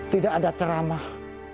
tidak ada ceramah